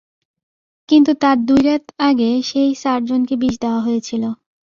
কিন্তু তার দুইরাত আগে, সেই সার্জনকে বিষ দেওয়া হয়েছিল।